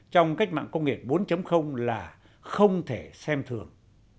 trong cách mạng công nghiệp bốn là không thể xem thường